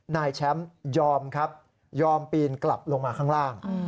นายแชมป์ยอมครับยอมปีนกลับลงมาข้างล่าง